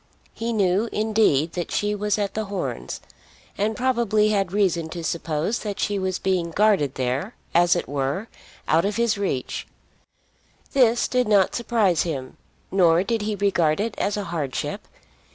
He knew, indeed, that she was at The Horns, and probably had reason to suppose that she was being guarded there, as it were, out of his reach. This did not surprise him; nor did he regard it as a hardship.